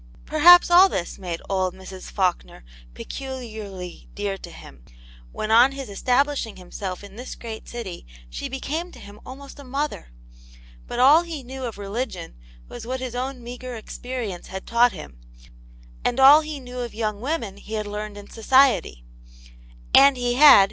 Perhaps, all this made old Mrs. Faulkner peculiarly dear to him, when on his establishing himself in this great city, she became to him almost a mother. But all he knew of religion was what his own meagre ex perience had taught him, and all he knew of young women he had learned in society. And he had^ ?.